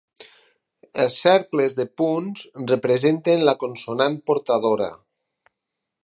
Els cercles de punts representen la consonant portadora.